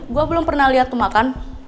gua belum pernah liat lu makan